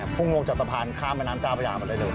พุ่งลงจากสะพานข้ามบนน้ำจาวประหยาบันได้เลย